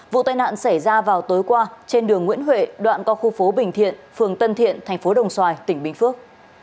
vụ tai nạn xảy ra vào tối qua trên đường nguyễn huệ đoạn co khu phố bình thiện phường tân thiện tp đồng xoài tỉnh bình phước